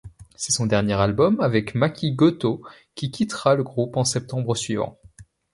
C'est son dernier album avec Maki Goto, qui quittera le groupe en septembre suivant.